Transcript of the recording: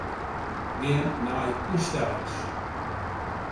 Gean nei ynstellings.